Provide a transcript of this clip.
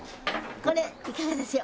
これいかがでしょう？